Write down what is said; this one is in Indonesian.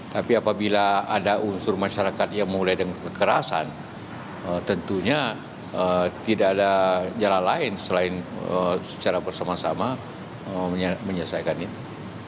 tapi apabila ada unsur masyarakat yang mulai dengan kekerasan tentunya tidak ada jalan lain selain secara bersama sama menyelesaikan itu